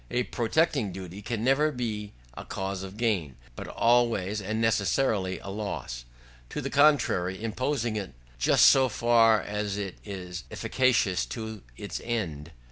A protecting duty can never be a cause of gain, but always and necessarily of loss, to the country imposing it, just so far as it is efficacious to its end.